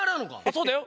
そうだよ。